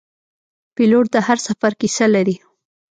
پیلوټ د هر سفر کیسه لري.